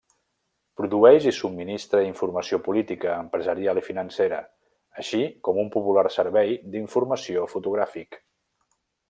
Produeix i subministra informació política, empresarial i financera, així com un popular servei d'informació fotogràfic.